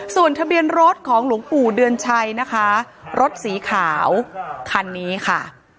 ส่วนทะเบียนรถของหลวงปู่เดือนชัยนะคะรถสีขาวคันนี้ค่ะ